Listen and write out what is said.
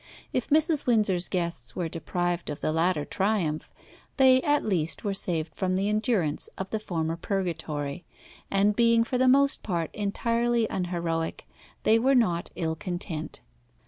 If Mrs. Windsor's guests were deprived of the latter triumph, they at least were saved from the endurance of the former purgatory, and being for the most part entirely unheroic, they were not ill content.